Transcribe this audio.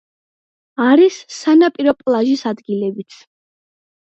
არის სანაპირო პლაჟის ადგილებიც.